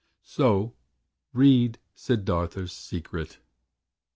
So read Siddartha's secret!